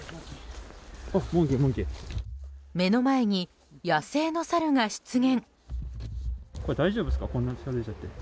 目の前に野生のサルが出現。